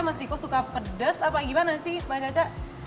mas diko suka pedas apa gimana sih mbak jaca